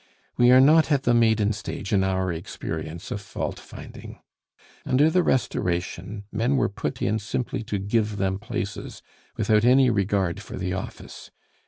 We are not at the maiden stage in our experience of fault finding. Under the Restoration, men were put in simply to give them places, without any regard for the office.